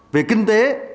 về kinh tế